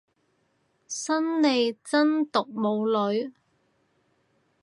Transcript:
利申真毒冇女